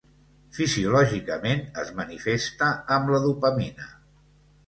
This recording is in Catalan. Fisiològicament, es manifesta amb la dopamina.